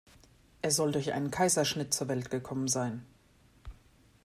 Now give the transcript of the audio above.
Er soll durch einen Kaiserschnitt zur Welt gekommen sein.